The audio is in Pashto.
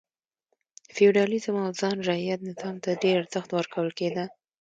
فیوډالېزم او خان رعیت نظام ته ډېر ارزښت ورکول کېده.